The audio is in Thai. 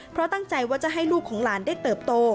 เพราะตั้งใจว่าจะให้ลูกของหลานได้เติบโต